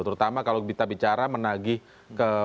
terutama kalau kita bicara menagih ke